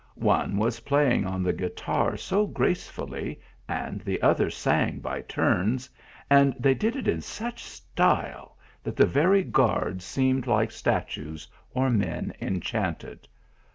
One was playing on the guitar so gracefully, and the others sang by turns and they did it in such style, that the very guards seemed like statues or men enchanted.